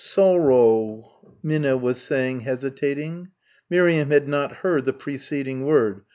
"Sorrowg," Minna was saying, hesitating. Miriam had not heard the preceding word.